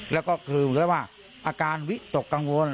และก็คือหรือว่าอาการวิตกกังวล